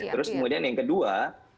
terus kemudian yang kedua